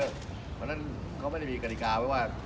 เพราะฉะนั้นเขาไม่ได้มีกฎิกาไว้ว่า